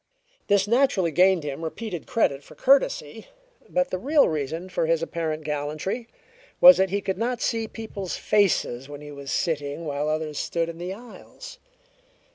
This naturally gained him repeated credit for courtesy, but the real reason for his apparent gallantry was that he could not see people's faces when he was sitting while others stood in the aisles.